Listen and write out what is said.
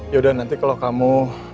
ya udah nanti kalau kamu